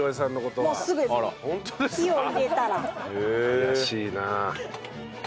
怪しいな。